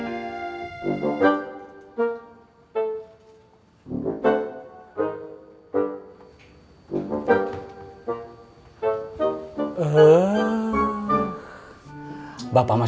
acil jangan kemana mana